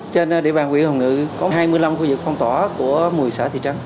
trên địa bàn huyện hồng ngự có hai mươi năm khu vực phong tỏa của một mươi xã thị trấn